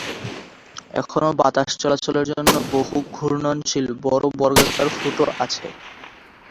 এখানে বাতাস চলাচলের জন্য বহু ঘূর্ণনশীল বড়ো বর্গাকার ফুটো আছে।